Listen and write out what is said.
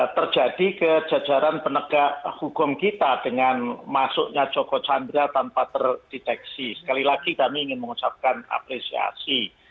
terjadi ke jajaran penegak hukum kita dengan masuknya joko chandra tanpa terdeteksi sekali lagi kami ingin mengucapkan apresiasi